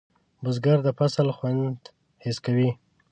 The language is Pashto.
بزګر د فصل خوند حس کوي